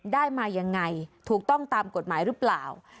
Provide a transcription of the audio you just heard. ได้มายังไงถูกต้องตามกฎหมายหรือเปล่า